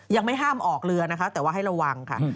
ยังไม่ห้ามออกเรือนะคะแต่ว่าให้ระวังค่ะ